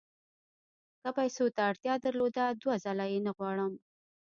که پیسو ته اړتیا درلوده دوه ځله یې نه غواړم.